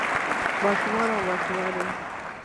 ما شومان او ماشومانے